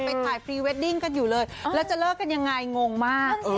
ไปถ่ายพรีเวดดิ้งกันอยู่เลยแล้วจะเลิกกันยังไงงงมาก